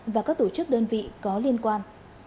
và các tổ chức đơn vị có liên quan